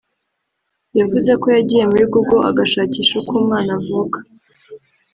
yavuze ko yagiye muri Google agashakisha uko umwana avuka